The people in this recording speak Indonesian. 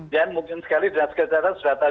dan mungkin sekali dinas kesehatan sudah tahu